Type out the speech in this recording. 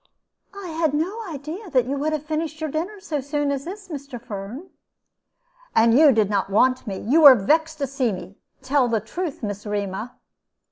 "I had no idea that you would have finished your dinner so soon as this, Mr. Firm." "And you did not want me. You are vexed to see me. Tell the truth, Miss Rema."